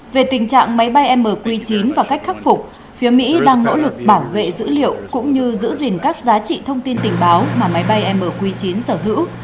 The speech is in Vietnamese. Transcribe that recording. về tình trạng máy bay mq chín và cách khắc phục phía mỹ đang nỗ lực bảo vệ dữ liệu cũng như giữ gìn các giá trị thông tin tình báo mà máy bay mq chín sở hữu